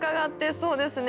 そうですね。